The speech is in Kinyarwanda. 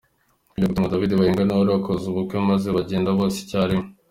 kujya gutungura David Bayingana wari wakoze ubukwe maze bagenda bose icya rimwe.